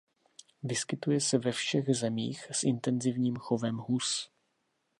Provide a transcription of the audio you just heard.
Vyskytuje se ve všech zemích s intenzivním chovem hus.